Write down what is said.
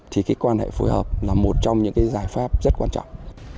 thì cái quan hệ phối hợp là một trong những cái giải pháp rất quan trọng